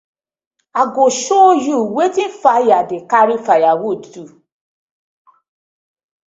I go show yu wetin fire dey karry firewood do.